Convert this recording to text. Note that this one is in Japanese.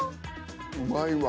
うまいわ。